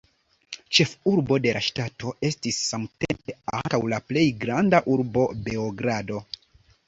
Ĉefurbo de la ŝtato estis samtempe ankaŭ la plej granda urbo Beogrado.